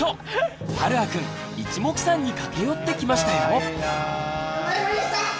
はるあくんいちもくさんに駆け寄ってきましたよ。